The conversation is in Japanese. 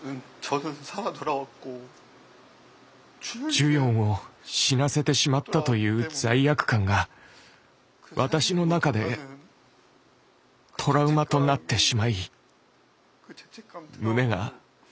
ジュヨンを死なせてしまったという罪悪感が私の中でトラウマとなってしまい胸が押し潰されそうになります。